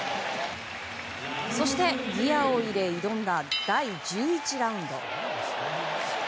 そして、ギアを入れ挑んだ第１１ラウンド。